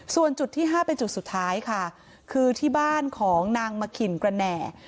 ส่วนจุดที่๕เป็นจุดสุดท้ายค่ะคือที่บ้านของนางมะขินกระแหน่